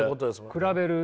比べる。